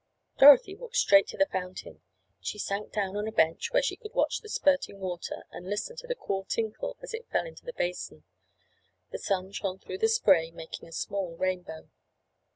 Dorothy walked straight to the fountain. She sank down on a bench where she could watch the spurting water and listen to the cool tinkle as it fell into the basin. The sun shone through the spray, making a small rainbow.